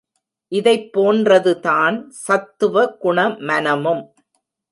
இதைப் போன்றதுதான் சத்துவகுண மனமும்.